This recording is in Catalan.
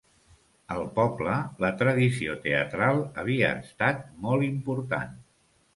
Al poble la tradició teatral havia estat molt important.